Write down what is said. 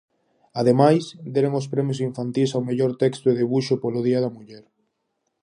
Ademais, deron os premios infantís ao mellor texto e debuxo polo día da muller.